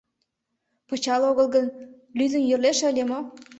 Пычал огыл гын, лӱдын йӧрлеш ыле мо?